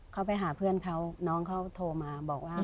เขาไปหาเพื่อนเขาน้องเขาโทรมาบอกว่า